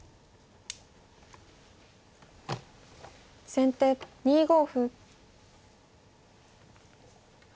先手２五歩。